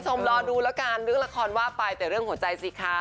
ก็จะมารอรอมราคอนจึงรองอย่างน้อง